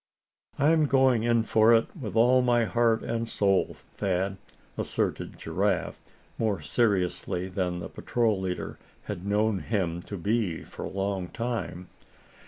"I'm going in for it with all my heart and soul, Thad," asserted Giraffe, more seriously than the patrol leader had known him to be for a long time.